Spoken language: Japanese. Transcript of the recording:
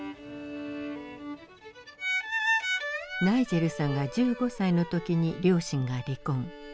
ナイジェルさんが１５歳の時に両親が離婚。